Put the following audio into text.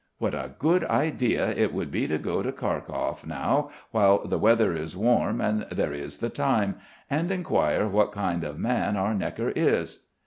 What a good idea it would be to go to Kharkov now while the weather is warm and there is the time, and inquire what kind of man our Gnekker is.